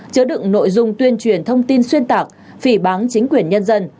chứa đựng nội dung tuyên truyền thông tin xuyên tạc phỉ bán chính quyền nhân dân